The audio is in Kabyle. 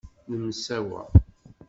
Nemsawa.